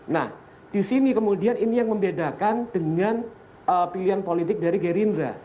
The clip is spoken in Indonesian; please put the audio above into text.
nah disini kemudian ini yang membedakan dengan pilihan politik dari gerindra